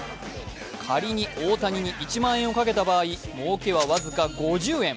仮に大谷に１万円を賭けた場合、もうけは僅か５０円。